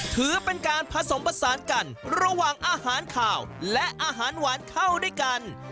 ถือเป็นการผสมผสานกันระหว่างอาหารขาวและอาหารหวานเข้าด้วยกัน